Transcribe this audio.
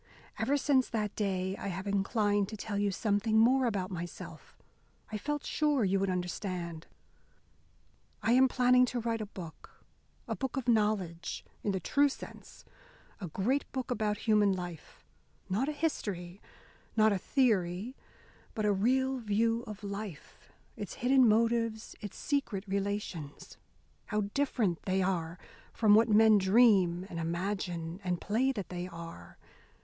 "Ever since that day I have inclined to tell you something more about myself. I felt sure you would understand. I am planning to write a book a book of knowledge, in the true sense a great book about human life. Not a history, not a theory, but a real view of life, its hidden motives, its secret relations. How different they are from what men dream and imagine and play that they are!